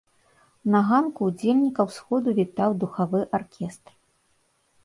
На ганку ўдзельнікаў сходу вітаў духавы аркестр.